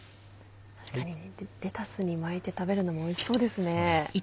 確かにレタスに巻いて食べるのもおいしそうですね。